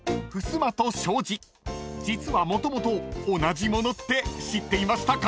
［実はもともと同じ物って知っていましたか？］